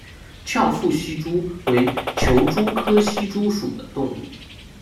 翘腹希蛛为球蛛科希蛛属的动物。